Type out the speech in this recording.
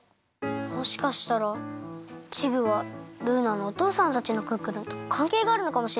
もしかしたらチグはルーナのおとうさんたちのクックルンとかんけいがあるのかもしれませんね。